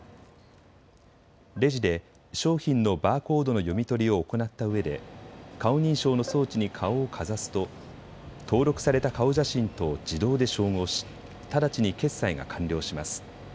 レジで商品のバーコードの読み取りを行ったうえで顔認証の装置に顔をかざすと登録された顔写真と自動で照合し直ちに決済が完了します。